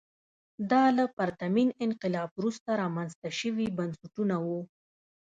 دا له پرتمین انقلاب وروسته رامنځته شوي بنسټونه وو.